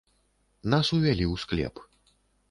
Нас увялі ў склеп.